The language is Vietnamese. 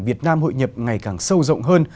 việt nam hội nhập ngày càng sâu rộng hơn